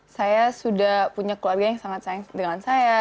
saya sudah punya keluarga yang sangat sayang dengan saya